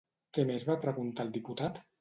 Què més va preguntar el diputat?